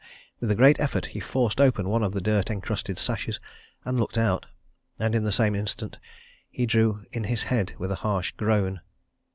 With a great effort he forced open one of the dirt encrusted sashes and looked out and in the same instant he drew in his head with a harsh groan.